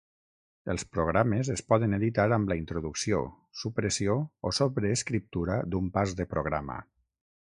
Els programes es poden editar amb la introducció, supressió o sobreescriptura d'un pas de programa.